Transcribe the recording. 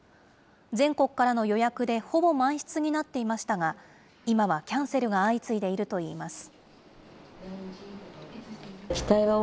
全国からの予約で、ほぼ満室になっていましたが、今はキャンセルが相次いでいるといいます。